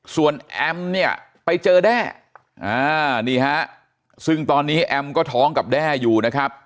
ส่วนแอมเนี่ยไปเจอแด้นี่ฮะซึ่งตอนนี้แอมก็ท้องกับแด้อยู่นะครับ